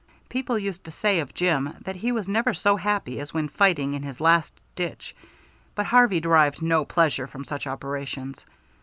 People used to say of Jim that he was never so happy as when fighting in his last ditch, but Harvey derived no pleasure from such operations.